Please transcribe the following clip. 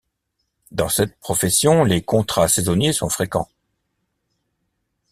Dans cette profession, les contrats saisonniers sont fréquents.